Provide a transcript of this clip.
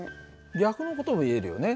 逆の事も言えるよね。